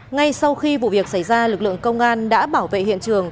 ngay sau khi vụ việc xảy ra lực lượng công an đã bảo vệ hiện trường